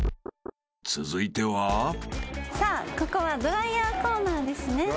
［続いては］さあここはドライヤーコーナーですね。